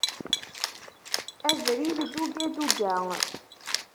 Abrid duga duga.